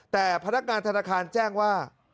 แต่พนักงานธนาคารแจ้งว่า